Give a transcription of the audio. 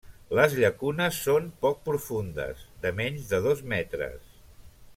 Les llacunes són poc profundes, de menys de dos metres.